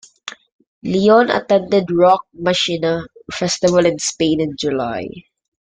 Lione attended Rock Machina Festival in Spain in July.